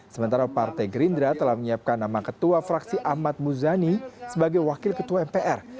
sementara partai gerindra telah menyiapkan nama ketua fraksi ahmad muzani sebagai wakil ketua mpr